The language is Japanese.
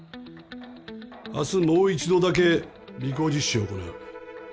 明日もう一度だけ尾行実習を行う。